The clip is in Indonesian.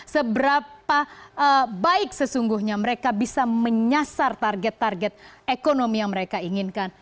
seberapa baik sesungguhnya mereka bisa menyasar target target ekonomi yang mereka inginkan